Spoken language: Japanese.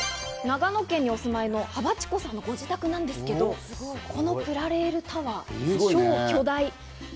長野県にお住まいの、はばちこさんのご自宅なんですけど、このプラレールタワー、超巨大。